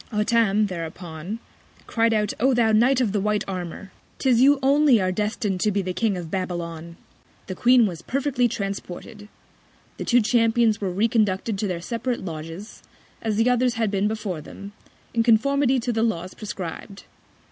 Hottam, thereupon, cried out, O thou Knight of the white Armour! 'Tis you only are destin'd to be the King of Babylon. The Queen was perfectly transported. The two Champions were reconducted to their separate Lodges, as the others had been before them, in Conformity to the Laws prescrib'd.